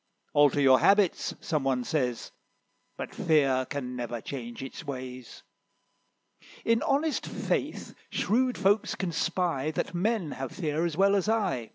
'Alter your habits,' some one says; But Fear can never change its ways: In honest faith shrewd folks can spy, That men have fear as well as I."